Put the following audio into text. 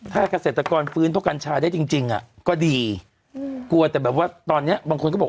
ถ้าเกษตรกรฟื้นเพราะกัญชาได้จริงจริงอ่ะก็ดีกลัวแต่แบบว่าตอนเนี้ยบางคนก็บอก